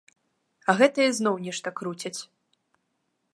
А гэтыя зноў нешта круцяць.